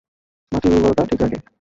মাটির উর্বরতা ঠিক রাখে।